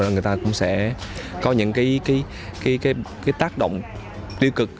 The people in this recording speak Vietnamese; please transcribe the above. người ta cũng sẽ có những tác động tiêu cực